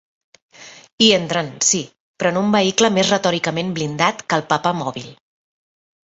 Hi entren, sí, però en un vehicle més retòricament blindat que el papamòbil.